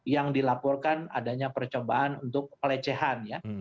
yang dilaporkan adanya percobaan untuk pelecehan ya